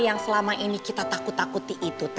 yang selama ini kita takut takuti itu